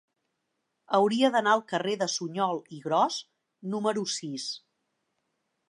Hauria d'anar al carrer de Suñol i Gros número sis.